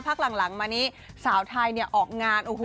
พักหลังมานี้สาวไทยออกงาน